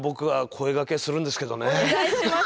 お願いします。